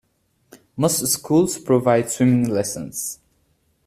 Most schools provide swimming lessons.